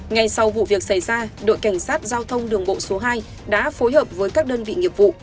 ngay sau vụ việc xảy ra đội cảnh sát giao thông đường bộ số hai đã phối hợp với các đơn vị nghiệp vụ